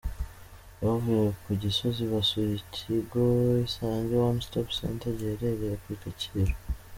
Bavuye ku Gisozi basuyeikigo Isange One Stop Center giherereye ku Kacyiru.